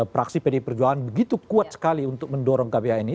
praksi pdi perjuangan begitu kuat sekali untuk mendorong kbhn ini